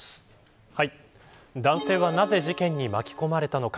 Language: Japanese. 男性はなぜ事件に巻き込まれたのか。